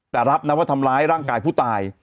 แต่รับนะว่าทำร้ายร่างกายผู้ตาย